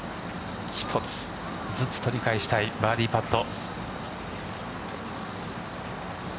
一つずつ取り返したいバーディーパット。